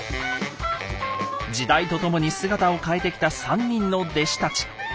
時代とともに姿を変えてきた３人の弟子たち。